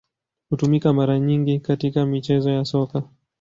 Hutumika mara nyingi katika michezo ya Soka.